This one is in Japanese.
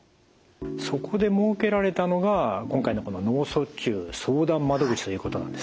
そこで設けられたのが今回のこの脳卒中相談窓口ということなんですね。